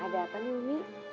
ada apa nih umi